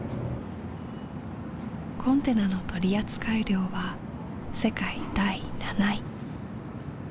コンテナの取り扱い量は世界第７位。